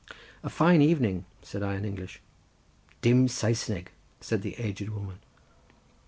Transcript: "A fine evening," said I in English. "Dim Saesneg," said the aged woman.